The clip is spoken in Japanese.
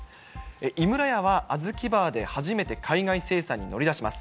井村屋はあずきバーで、初めて海外生産に乗り出します。